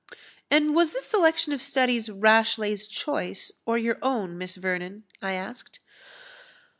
"And was this selection of studies Rashleigh's choice, or your own, Miss Vernon?" I asked.